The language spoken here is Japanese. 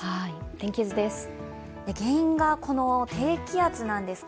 天気図です。